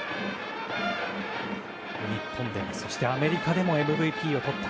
日本で、そしてアメリカでもＭＶＰをとった。